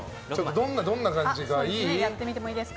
どんな感じか、いい？